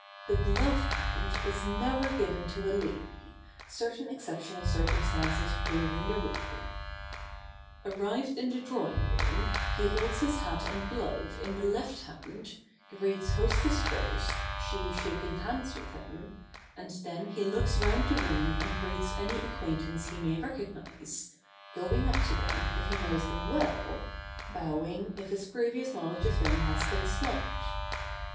The gloved hand is never given to a lady, certain exceptional circumstances proving the rule. [Sidenote: Greeting the hostess.] Arrived in the drawing room, he holds his hat and glove in the left hand, greets hostess first, she shaking hands with him, and then he looks round the room and greets any acquaintance he may recognise, going up to them if he knows them well, bowing if his previous knowledge of them has been slight.